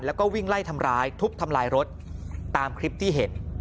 แล้วก็วิ่งไล่ทำร้ายทุบทำลายรถตามคลิปที่เห็น